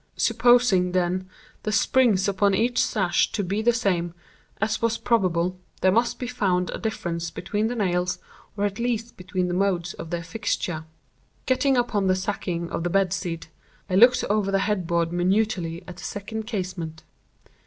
Supposing, then, the springs upon each sash to be the same, as was probable, there must be found a difference between the nails, or at least between the modes of their fixture. Getting upon the sacking of the bedstead, I looked over the head board minutely at the second casement.